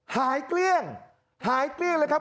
เกลี้ยงหายเกลี้ยงเลยครับ